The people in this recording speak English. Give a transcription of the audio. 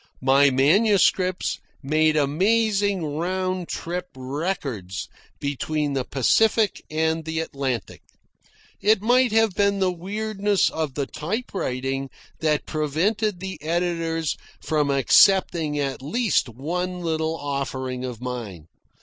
My manuscripts made amazing round trip records between the Pacific and the Atlantic. It might have been the weirdness of the typewriting that prevented the editors from accepting at least one little offering of mine.